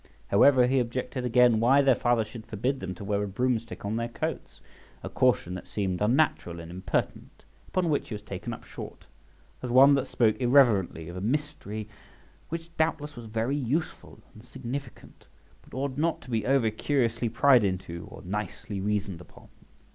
However, he objected again why their father should forbid them to wear a broom stick on their coats, a caution that seemed unnatural and impertinent; upon which he was taken up short, as one that spoke irreverently of a mystery which doubtless was very useful and significant, but ought not to be over curiously pried into or nicely reasoned upon.